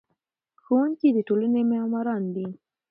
ښوونکي د ټولنې معماران دي.